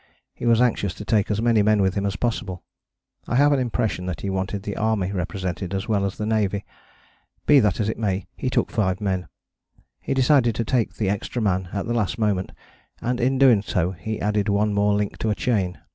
He was anxious to take as many men with him as possible. I have an impression that he wanted the army represented as well as the navy. Be that as it may, he took five men: he decided to take the extra man at the last moment, and in doing so he added one more link to a chain.